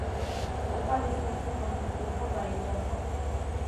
Al parecer, se construyó por varias razones.